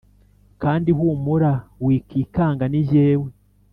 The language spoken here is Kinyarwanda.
Kandi humura wikikanga ninjyewe